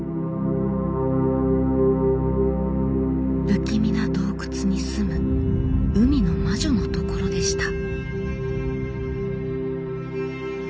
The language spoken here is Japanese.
不気味な洞窟に住む海の魔女のところでした。